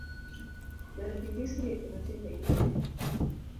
Bed gi osiepe ma timbe gi ber